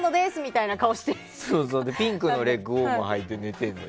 ピンクのレッグウォーマーを着けて寝てるの。